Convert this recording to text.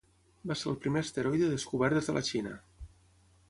Va ser el primer asteroide descobert des de la Xina.